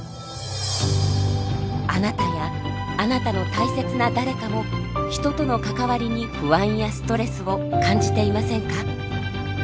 あなたやあなたの大切な誰かも人との関わりに不安やストレスを感じていませんか？